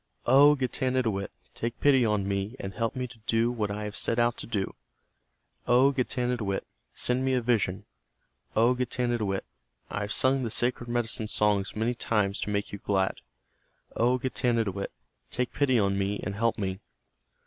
"O Getanittowit, take pity on me and help me to do what I have set out to do. O Getanittowit, send me a vision. O Getanittowit, I have sung the sacred medicine songs many times to make you glad. O Getanittowit, take pity on me and help me."